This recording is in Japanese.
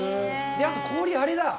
あと氷、あれだ。